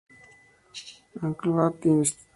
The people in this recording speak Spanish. Auckland Inst.